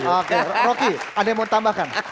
oke rocky ada yang mau ditambahkan